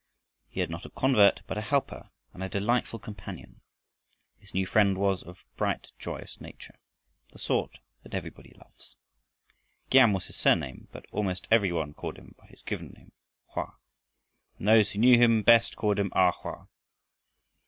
He had not a convert but a helper and a delightful companion. His new friend was of a bright, joyous nature, the sort that everybody loves. Giam was his surname, but almost every one called him by his given name, Hoa, and those who knew him best called him A Hoa.